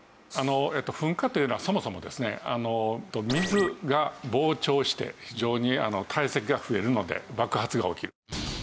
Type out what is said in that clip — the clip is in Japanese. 噴火というのはそもそもですね水が膨張して非常に体積が増えるので爆発が起きる。